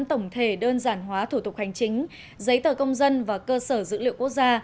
tổng thể đơn giản hóa thủ tục hành chính giấy tờ công dân và cơ sở dữ liệu quốc gia